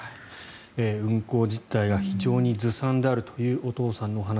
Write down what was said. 運航実態が非常にずさんであるというお父さんのお話。